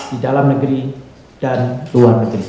di dalam negeri dan luar negeri